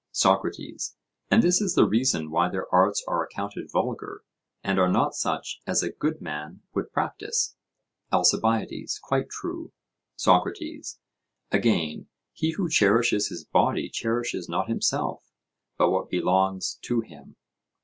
SOCRATES: And this is the reason why their arts are accounted vulgar, and are not such as a good man would practise? ALCIBIADES: Quite true. SOCRATES: Again, he who cherishes his body cherishes not himself, but what belongs to him?